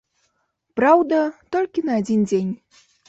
Праўда, толькі на адзін дзень.